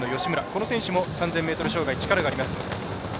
この選手も３０００ｍ障害力があります。